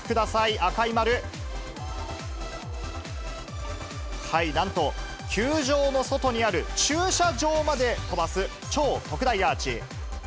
赤い丸、なんと球場の外にある駐車場まで飛ばす超特大アーチ。